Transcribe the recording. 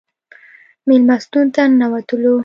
مېلمستون ته ننوتلو.